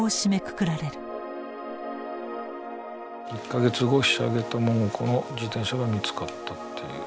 「一ヶ月後ひしゃげた桃子の自転車が見つかった。